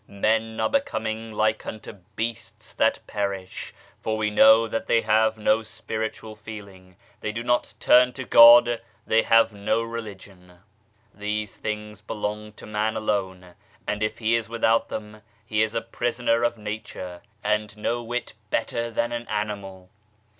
Men are becoming like unto beasts that perish, for we know that they have no spiritual feeling they do not turn to God, they have no religion ! These things belong to man alone, and if he is without them he is a prisoner of nature, and no whit better than an animal.